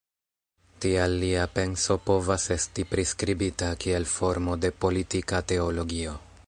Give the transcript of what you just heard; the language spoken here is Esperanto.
Tial lia penso povas esti priskribita kiel formo de politika teologio.